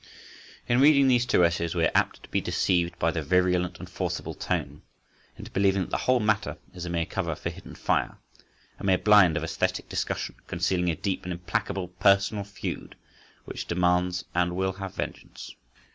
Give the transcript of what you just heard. In reading these two essays we are apt to be deceived, by their virulent and forcible tone, into believing that the whole matter is a mere cover for hidden fire,—a mere blind of æsthetic discussion concealing a deep and implacable personal feud which demands and will have vengeance.